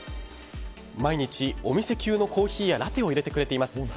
毎日、お店級のコーヒーやラテを入れてくれます。